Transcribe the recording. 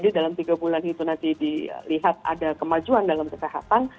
jadi dalam tiga bulan itu nanti dilihat ada kemajuan dalam kesehatan